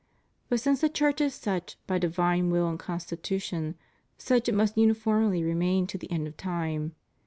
But since the Church is such by divine will and constitu tion, such it must uniformly remain to the end of time.